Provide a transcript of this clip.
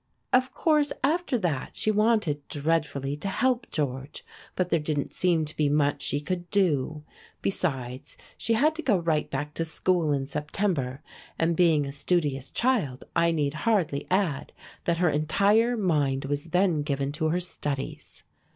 Of course after that she wanted dreadfully to help George, but there didn't seem to be much she could do. Besides, she had to go right back to school in September, and being a studious child, I need hardly add that her entire mind was then given to her studies.